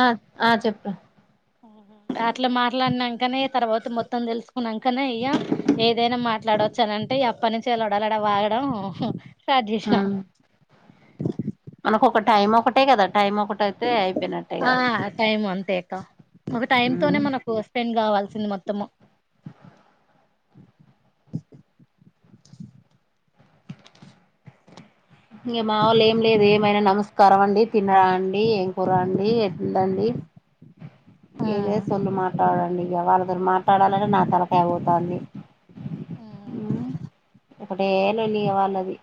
ఆ ఆ చెప్పు ఓహో అట్లా మాట్లాడినాకనే తర్వాత మొత్తం తెలుసుకున్నాకనే అయ్యా ఏదైనా మాట్లాడవచ్చు అనంటే అప్పటి నుంచిలడలడ వాగడం స్టార్ట్ చేస్తా మనక ఒక టైం ఒకటే కదా టైం ఒకటైతే అయిపోయినట్టే ఆ కదా టైం అంతే ఒక టైమ్ తోనే మనకు స్పెండ్ కావాల్సింది మొత్తము ఇంక మా వాళ్ళ ఏం లేదు ఏమనా నమస్కారం అండి తినరా అండి ఏం కురండి ఎందండి ఏద సొల్లు మాట్లాడండి ఇక వాళ్ళతో మాట్లాడాలంటే నా తలక పోతంది ఇక్కడ ఏళ నీ వాళ్ళది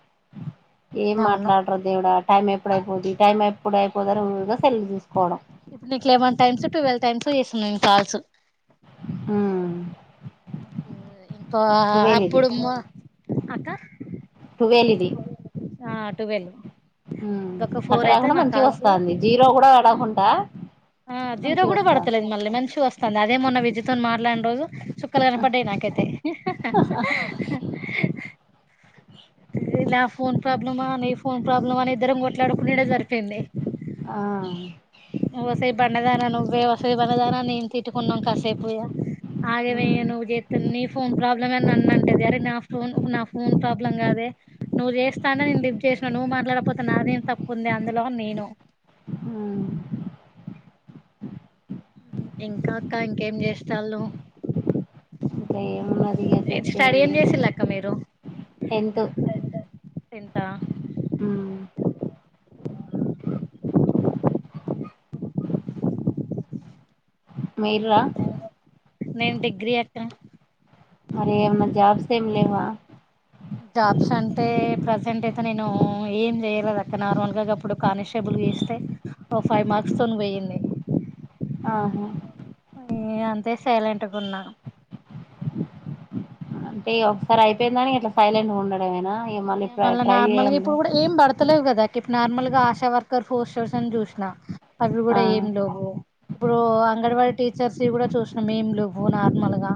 ఏం అవును మాట్లాడరు దేవుడ టైం ఎప్పుడైపోది టైం ఎప్పుడయిపోదారో ఊరుగా సెల్ చూసుకోవడం ఇప్పుడు నీకు లెవెన్ టైమ్స్ ట్వెల్వ్ టైమ్స్ చేస్తున్నా నేను కాల్స్ మ్మ్ ఇంకా ఇది అప్పుడు అక్క వేలిది ఆ ట్వెల్వ్ ఇంకొక అట్ట ఫోర్ అయితే కాకుండా నా మంచి వస్తాంది కాల్స్ జీరో కూడా వడకుండా ఆ జీరో కూడా పడతలేదు మళ్ళీ మంచి వస్తుంది అదే మొన్న విజితుని మాట్లాని రోజు చుక్కలు కనపడ్డాయి నాక క ఫోన్ ప్రాబ్లమ్ నీ ఫోన్ ప్రాబ్లం అని ఇద్దరం కొట్లాడుకునే జరిపింది ఆ ఒసేయ్ బండదాన బే ఒసేయ్ బండా ధన నేను తి పెట్టుకున్నాం కాసేపుయ ఇగ ఆగేమ నువ్వు చే నీ ఫోన్ ప్రాబ్లమే అని నాను అంటది అరే నా ఫోన్ నా ఫోన్ ప్రోబ్ బ్ం కాదే నువ్వు చేస్తా అంట నే లిఫ చేసినా నువ్వు మాట్లాడకపోతే నాదేం తప్పు ఉంది అందులో అని నేను హ్మ్ ఇంకా అక్క ఇంకేం చేస్తాలు ఇంకా ఏమున్నది ఇగా చెప్పేది ఏం చేసిళ్ళు అక్క మీరు అంతే టెన్త్ హ మీర్రా నేను డిగ్రీ అక్క మరి ఏ జాబ్స్ ఏం లేవా జాబ్స్ అంటే ప్రసెంట్ అయితే నేను ఏం చెయలేదు అక్క నార్మల్ గా అప్పుడు కానిస్టేబుల్ కి వేస్తే ఓ ఫైవ్ మార్క్స్ తోని పోయింది ఆహా నే అంతే సైలెంట్గా ఉన్నా అంటే ఒకసారి అయిపోయిందని ఇట్లా సైలెంట్ గా ఉండదు ఏమైనా ఈ మళ్ళీ ట్రై చేయండి ఆస్తలేవు కదా ఇప్పుడు నార్మల్ గా ఆశా వర్కర్ పోస్ట్ కోసం చూసిన అవి ఆ కూడా ఏం లేవు ఇప్పుడు అంగడన్ వాడి టీచర్ కూడా చూసినా ఏం లేవు నార్మల్ గా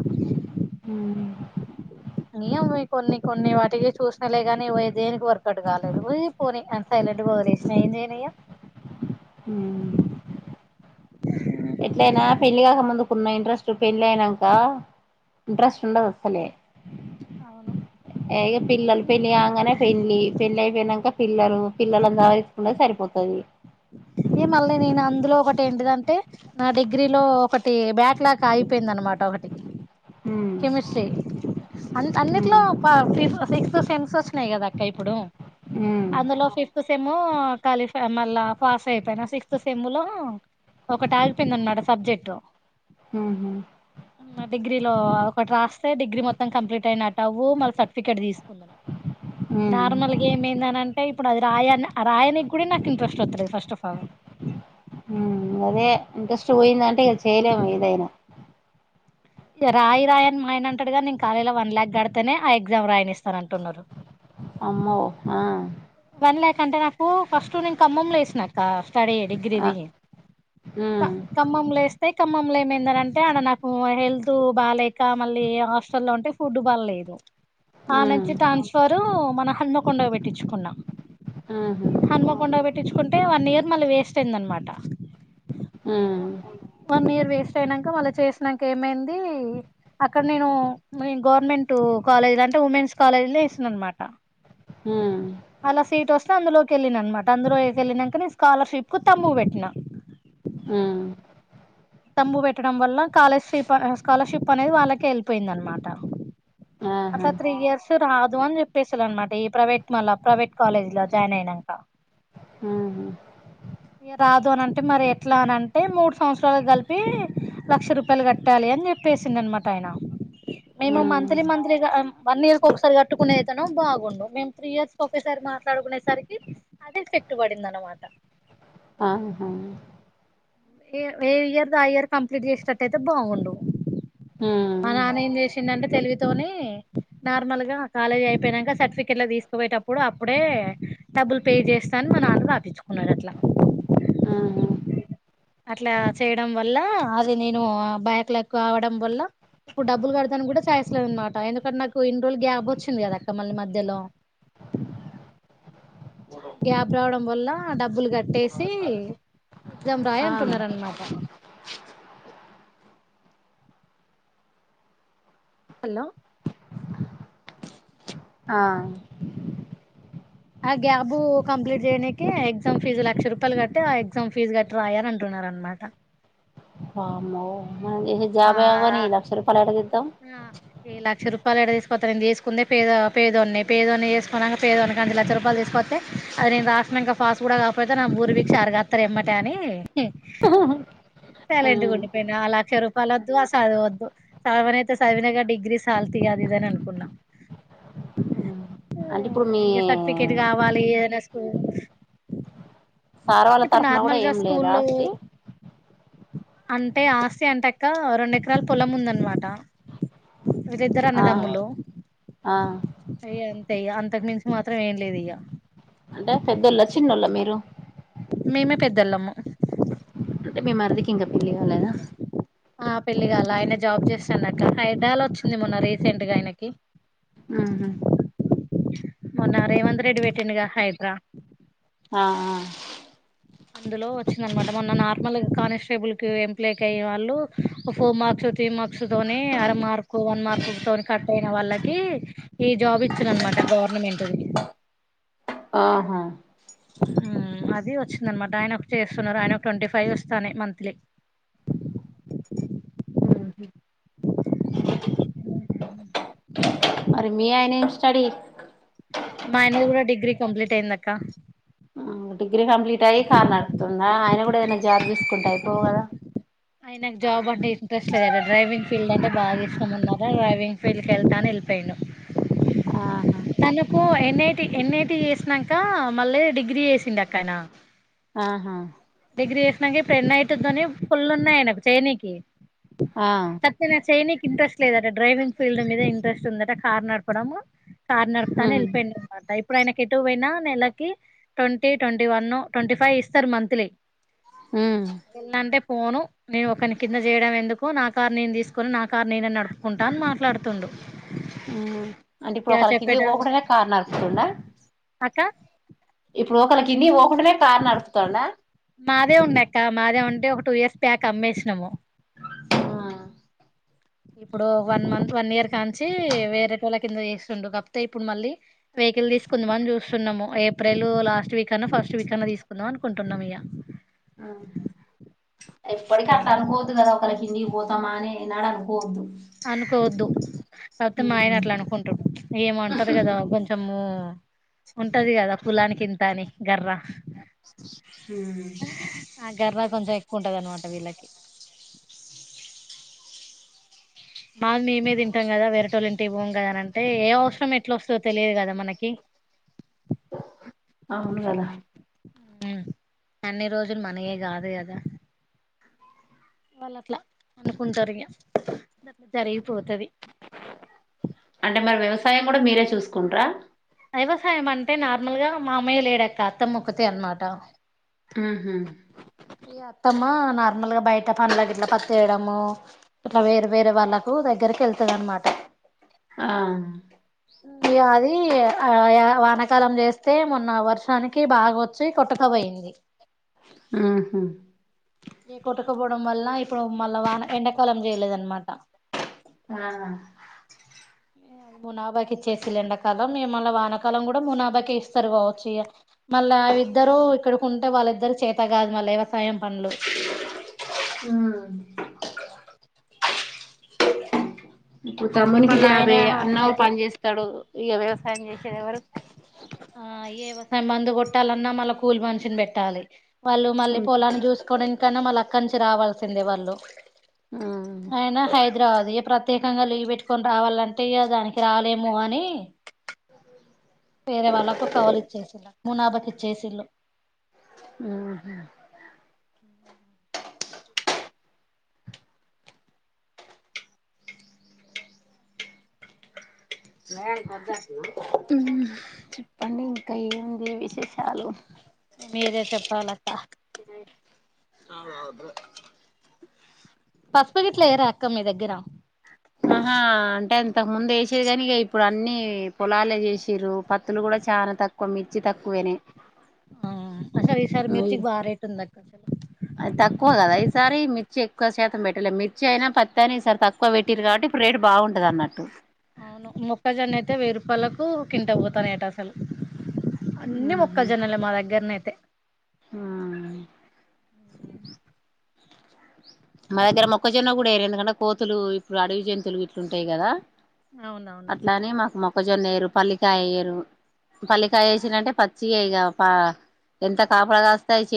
హ్మ్ ఏవో అవి కొన్ని కొన్ని వాటికి చూసినలేగాని ప దేనికి వర్కౌట్ కాలేదు పోనీ అనీ సైలెంట్ గా సైలెంట్ గా ఒదిలేసిన ఏం చేయను ఇగ హ్మ్ ఉన్న ఇంట్రెస్ట్ పెళ్ళి అయినాక ఇంట్రెస్ట్ ఉండదు అసలే అవును ఇక పిల్లలు పెళ్ళి కాంగానే పెండ్లి పెండ్లి అయిపోయినాక పిల్లలు పిల్లలనీ సవరించుకునేదే సరిపోతది ఇగ మళ్ళీ నేను అందులో ఒకటి ఏంటిదంటే నా డిగ్రీ లో ఒకటి బ్యాక్లాగ ఆగిపో పోయిందనమాట ఒకటి ఉమ్ కెమిస్ట్రీ ఉమ్ అన్నిట్లో ఫ ఫిఫ్త్ సెమ్స్ వచ్చినాయి కదా ఇంక ఇప్పుడు ఉమ్ అందులో ఫిఫ్త్ సెమ్ క్వాలిఫై మళ్ళా పాస్ అయిపోయిన సిక్స్త్ సెమ్ లో ఒకటాగిపోయింది అన్నమాట సబ్జెక్ట్ ఉహు డిగ్రీలో ఒకటి రాస్తే డిగ్రీ మొత్తం కంప్లీట్ అయినట్టు మళ్ళ సర్టిఫికెట్ తీసుకున్నా ఉమ్ నార్మల్ గా ఏమైందని అంటే ఇప్పుడు అది రాయ రాయనికి కూడా నాకు ఇంట్రెస్ట్ వస్తలేదు ఫస్ట్ ఆఫ్ ఆల్ అదే ఇంట్రెస్ట్ పోయిందంటే ఇక చేయలేం ఏదైనా రాయి రాయని మా ఆయన అంటాడుగానీ నేను కాలేజీ లో వన్ ల్యాక్ కడితేనే ఆ ఎగ్జామ్ రాయనిస్తారు అంటున్నారు అమ్మో ఆ వన్ ల్యాక్ అంటే నాకు ఫస్ట్ నేను కమ్మమ్ల చేసినక్క [unintelligible] ఆ డిగ్రీది ఉమ్ ఖమ్మం లో చేస్తే తే ఖమ్మం లో ఏమైందనంటే ఆడ నాకు హెల్త్ బాలేక మళ్ళీ హాస్టల్లో ఉంటే ఫుడ్ పడలేదు ఉమ్ ఆనుంచి ట్రాన్స్ఫర్ మన హనుమకొండ కి పెట్టించుకున్నా ఉహు హన్మకొండ కి పెట్టించుకుంటే వన్ ఇయర్ మళ్ళీ వేస్ట్ అయిందనమాట హ్మ వేస్ట్ అయినాక మళ్ళ చేసినాక ఏమైందీ అక్కడ నేను గోర్మెంటు కాలేజ్ లేదంటే ఉమెన్స్ కాలేజ్ లో చేసింది అనమాట హ కెళ్ళినా అనమాట అందులో కెళ్ళినాక నేను స్కాలర్షిప్ కు తమ్ము పెట్టినా హూ తంబు పెట్టడం వల్ల కాలేజ్ స్కాలర్షిప్ అనేది వాళ్ళకే వెళ్ల్పోయింది అనమాట ఆహా అట్లా త్రీ ఇయర్స్ రాదు అని చెప్పేసరు అనమాట ఈ ప్రైవేట్ మళ్ళ ప్రైవేట్ కాలేజీ లో జాయిన్ అయినాక ఉహు రాదు అనంటే మరి ఎట్లా అనీ అంటే మూడు సంవత్సరాలకి కలిపి పి లక్ష రూపాయలు కట్టాలి అని చెప్పేసిండు అనమాట ఆయన మేము ఉమ్ మంత్లీ మంత్లీగా వన్ ఇయర్ ఒకసారి కట్టుకునేదైతనో బాగుండు మేము త్రీ ఇయర్స్ ఒకేసారి మాట్లాడుకునేసరికి అది ఎఫెక్ట్ పడింది దనమాట ఆహా ఏ ఇయర్ ది ఆ ఇయర్ కంప్లీట్ చేసేటట్టయితే బాగుండు మా ఉమ్ నాన్న ఏం చేసిండంటే తెలివితోని నార్మల్ గా కాలేజీ అయిపోయినాక సర్టిఫికెట్ తీసుకుపోయేటప్పుడు అప్పుడే డబ్బులు పే చేస్తాను మా నాన్న రాపించుకున్నాడు అట్లా ఆహా అట్లా చేయడం వల్ల అది నేను బ్యాక్ లక్ అవడం వల్ల ఇప్పుడు డబ్బులు కడతానికి కూడా ఛాయిస్ లేదు అనమాట ఎందుకంటే నాకు ఇన్ని రోజులు గ్యాబ్ వచ్చింది కదా అక్క మళ్ళీ మధ్యలో గ్యాబ్ రావడం వల్ల డబ్బులు కట్టేసి ఎగ్జామ్ రాయి ఆ అంటునారు అనమాట హలో ఆ ఆ గ్యాబ్ కంప్లీట్ చెయ్యనికి ఎగ్జామ్ ఫీజు లక్ష రూపాయలు కట్టి ఆ ఎగ్జామ్ పీజు కట్టి రాయాల అంటున్నా అది అన్నమాట వామ్మో మనం చేసే జాబ్ ఏమో గానీ ఈ లక్ష రూపాయలు ఏడ తే ఆ ఏ లక్ష రూపా రూపాలు ఏడ తీసుకత్త నేను చేసుకుందే పేద పేదోన్ని పేదోన్ని చేసుకోన్నాక పేదోని కానుంచి లక్ష రూపాయలు తీసుకస్తే అది నేను రాసినాంక పాస్ కూడా కాకపోతే నా బూరు పీకి చారు గాత్తారు ఎమ్మటే అని సైలెంట్గా ఉమ్ ఉండి పోయిన ఆ లక్ష రూపాయలు వద్దు ఆ చదువు వద్దు చదవ చదివినా గా డిగ్రీ సాల్ తి అది ఇది అని అనుకున్నా ఉమ్ ఆ అంటే ఇప్పుడు మీ ఇగ సర్టిఫికేట్ కావాలి ఏదైనా స్కూల్ సార్ వాళ్ళ ఇప్పుడు తరఫున కూడా నార్మల్ గా ఏం లేదా స్కూల్లో ఆస్తి అంటే ఆస్తి అంటే అక్క రెండు ఎకరాల పొలం ఉంది అన్నమాట వీరు ఇద్దరు ఆ అన్నదమ్ములు ఆ ఇగ అంతే ఇగ అంతకు మించి మాత్రం ఏం లేదు ఇగ అంటే పేదోళ్ల చిన్నోళ్ళ మీరు మేమే పెద్దోళ్ళము అంటే మీ మర్ది కి ఇంకా పెళ్ళి కాలేదా ఆ పెళ్లిగాలే ఆయన జాబ్ చేస్తుండు అక్క హైడ్రా లో వచ్చింది మొన్న రీసెంట్ గా ఆయనకి హుహు మొన్న రేవంత్ రెడ్డి బెట్టిండు గా హైడ్రా ఆ ఆ అందులో వచ్చింది అనమాట మొన్న నార్మల్ కానిస్టేబుల్ కి ఎంప్లిక్ అయే వాళ్ళు ఫోర్ మార్క్స్ త్రి మార్క్స్ తోని అర మార్కు వన్ మార్కు తోని కట్ అయిన వాళ్ళకి ఈ జాబ్ ఇచ్చిళ్ళు అనమాట అంటే గవర్నమెంట్ ది ఆహా ఆ అది వచ్చింది అనమాట ఆయన చేస్తున్నారు ఆయన ట్వంటీ ఫైవ్ వస్తానై మంత్లీ మరి మీ అయన ఏమ్ స్టడీ మా ఆయనది కూడా డిగ్రీ కంప్లీట్ అయింది అక్క ఆ డిగ్రీ కంప్లీట్ అయ్యి కారు నడుపుతుండా ఆయన కూడా ఏదైనా జాబ్ చుసుకుంటే అయిపోవు కదా ఆయన కు జాబ్ అంటే ఇంట్రెస్ట్ లేదు డ్రైవింగ్ ఫీల్డ్ అంటే బాగా ఇష్టం అన్నమాట డ్రైవింగ్ ఫీల్డ్ కు వెళ్తా అని వెల్ లీపెండు ఆహా తనకు ఎన్ ఐ టి ఎన్ఐటి చేసినాంక మళ్ళీ డిగ్రీ చేసిండు అక్క ఆయన ఆహా డిగ్రీ చేసినంకా పెళ్ళి అయితాదని పుల్ ఉన్నాయి ఆయనకు చేైనికి ఆ గట్లనే చేయినికి ఇంట్రెస్ట్ లేదట డ్రైవింగ్ ఫీల్డ్ మీద ఇంట్రెస్ట్ ఉందట కారు నడపడం కారు నడపుతా అని ఉమ్ వెళ్ళిపోయిండు అనమాట ఇప్పుడు ఆయనకి ఏటూ పోయినా నెలకి twenty, twenty one twenty five ఇస్తారు మంత్లీ ఉమ్ ఫోను నేను ఒకని కింద చేయడం ఎందుకు నా కారు నేను తీసుకొని నా కారు నేనే నడుపుకుంటా అని మాట్లాడుతుండు ఉమ్ అంటే ఇప్పుడు ఇగ ఒకళ చెప్పేట కిందికి పోకుండానే కార్ నడుపుతుండా అక్క ఇప్పుడు ఒకలా కిందికి పో మాదే ఉండక్క మాదే ఉంటే ఒక టూ ఇయర్స్ బ్యాక్ అమ్మేసినాము ఇప్పుడు వన్ మంత్ వన్ ఇయర్ కాంచి వాటేటోలు కింద చేస్తుండు కాకపోతే ఇప్పుడు మళ్ళీ వెహికల్ తీసుకుందాం మని చూస్తున్నాము ఏప్రిల్ లాస్ట్ వీక్ అ ఫస్ట్ ఫస్ట్ వీక్ అన్న తీసుకుందాం అనుకుంటున్నాం ఇక ఎప్పడికి అట్లా అనుకోవద్దు కదా ఒకల కిందికి పోతామానే ఏనాడూ అనుకోవద్దు అనుకోవద్దు కాకపోతే మా ఆయన ఉమ్ అట్లా అనుకుంటారు ఏమంటారు కదా కొంచము ఉంటది కదా కులాని కింతాని గర్ర ఆ గర్రా కొంచెం ఎక్కువ ఉంటది అనమాట వీళ్ళకి మాది మేమీ తింటాం కదా వేరేటళ్లు ఇంటి పోము కదా అంటే ఏ అవసరం ఎట్లా వస్తుందో తెలియదు కదా మనకి అవును కదా అన్ని రోజులు మనయే కాదు కదా వాళ్ళు అట్లా అనుకుంటారు ఇక అట్లా జరిగిపోతది అంటే మరి వ్యవసాయం కూడా మీరే చూసుకుంటరా వ్యవసాయం అంటే నార్మల్ గా మామయ్య లేడక్క అత్తమ్మ ముొక్కతే అనమాట ఉమ్మ్ అయ అత్తమ్మా నార్మల్గా బయట పనుల ఇట్లా పత్తి ఏరాడము ఇట్లా వేరే వేరే వాళ్ళలకు దగ్గరికి వెళ్తుంది అనమాట ఆ ఉ అది ఆ యా వానకాలం చేస్తే మొన్న వర్షానికి బాగా వచ్చి కొట్టుక పోయింది ఇ ఉహు కొట్టుకపోవడం వల్ల ఇప్పుడు మళ్ళా వాన ఎండాకాలం చేయలేదనమాట ఆ మునాభాకి ఇచ్చేసి ఎండాకాలం మేమల్ల వానకాలం కూడా మునాభాకి ఇస్తారు కావచ్చు మళ్ళా ఇద్దరు ఇక్కడకి ఉంటే వాళ్ళిద్దరు చేత కాదు మళ్ళీ వ్వెవా వ్యవసాయం పనులు ఉమ్. ఇప్పుడు ఇగ తమ్మునికి మళ్ళ జాబ్ ఆయనే ఏ అన్న హైద్ పని చేేస్తాడు ఇక వ్యవసాయం చేసేది ఎవరు ఆ వ్యవసాయం మందు కొట్టాలన్నా మళ్ళా కూలి మనిషిని పెట్టాలి వాళ్ళు మళ్ళీ ఉమ్, పొలాన్ని చూసుకోవడానికన్నా మళ్ళీ అక్కడి నుంచి రావాల్సిందే వాళ్ళు మ్మ్ ఇది రాదు ప్రత్యేకంగా లీవ్ పెట్టుకని రావాలంటే ఇ దానికి రాలేము అని వేరే వాళ్ళకు కవులు ఇచ్చేసిళ్ళ మునాభకి ఇచ్చేసిల్లు ఉహు ఉ చెప్పండి ఇంకా ఏంది విశేషాలు మీరే చెప్పాలక్క [unintelligible] పసుపు గట్లేయరా అక్క మీ దగ్గర ఆహా అంటే అంతకు ముందు వేసేది కాని ఇగ ఇప్పుడు అన్నిీ పొలాలే చేసి రు పత్తులు కూడా చాలా తక్కువ మిర్చి తక్కువేనే ఆ అసలు ఈ సారి ఉయ్, మిిర్చికి బా రేట్ ఉంది అం అది తక్కువ కదా ఈసారి మిర్చి ఎక్కువ శాతం పెట్టాలే మిర్చి అయినా పత్తి అని ఈసారి తక్కువ పెట్టటిారు కాబట్టి రేటు బావుంటది అన్నట్టు మొక్కజొన్న అయితే వెయ్యి రూపాయలకు క్వింటాల్ పోతున్నాయ్ ఆట అసలు అన్ని ఉహు మొక్క జొన్నలే మా దగ్గరనే ఆ మా దగ్గర మొక్కజొన్న కూడా వేరు ఎందుకంటే కోతులు ఇప్పుడు అడవి జంతువులు ఇట్లుంటాయి కదా అవునవును క్కజొన్నయ్యరు పల్లికాయ ఏయ్యరు పల్లికాయ వేసినంటే పచ్చిగా ఇక ఎంత కాపల కాస్తాయి